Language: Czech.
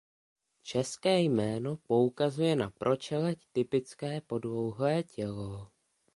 České jméno poukazuje na pro čeleď typické podlouhlé tělo.